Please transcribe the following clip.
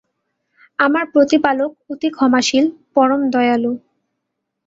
আমার প্রতিপালক অতি ক্ষমাশীল, পরম দয়ালু।